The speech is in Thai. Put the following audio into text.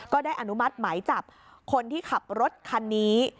ได้อนุมัติหมายจับคนที่ขับรถคันนี้